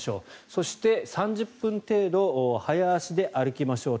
そして、３０分程度早足で歩きましょう。